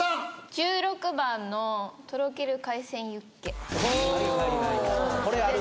１６番のとろける海鮮ユッケはい